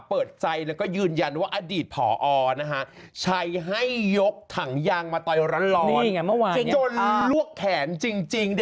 เปิดใจแล้วก็ยืนยันว่าอดีตผอชัยให้ยกถังยางมาต่อยร้อนจนลวกแขนจริง